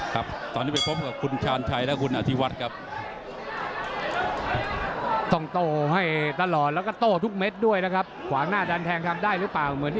ก็มีเสียงเชียร์คร่องเชียร์ไปในเวทรีวิวแรงเกิน